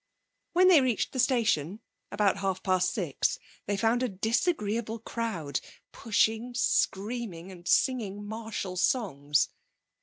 When they reached the station, about half past six, they found a disagreeable crowd, pushing, screaming, and singing martial songs.